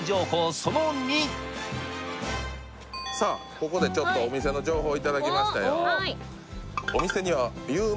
ここでちょっとお店の情報いただきましたよお